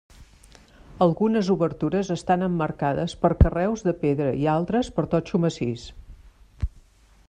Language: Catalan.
Algunes obertures estan emmarcades per carreus de pedra i altres per totxo massís.